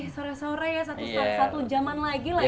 sore sore ya satu jaman lagi lah